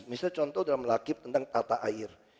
misalnya contoh dalam lakib tentang tata air